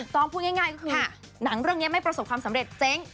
ต้องพูดง่ายก็คือหนังเรื่องนี้ไม่ประสบความสำเร็จเจ๊ง